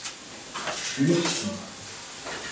Smusken.